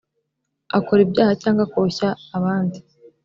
akora ibyaha cyangwa akoshya abandi